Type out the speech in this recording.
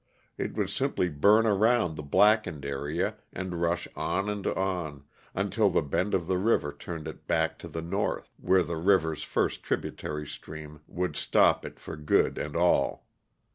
It would simply burn around the blackened area and rush on and on, until the bend of the river turned it back to the north, where the river's first tributary stream would stop it for good and all.